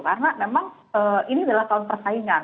karena memang ini adalah tahun persaingan